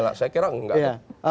saya kira enggak